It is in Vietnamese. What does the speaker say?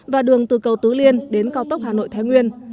và đường từ cầu tứ liên đến cao tốc hà nội thái nguyên